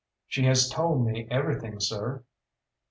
"She has told me everything, sir."